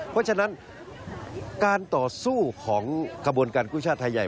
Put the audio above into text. เพราะฉะนั้นการต่อสู้ของขบวนการกู้ชาติไทยใหญ่